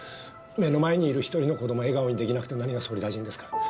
目の前にいる１人の子供を笑顔に出来なくて何が総理大臣ですか。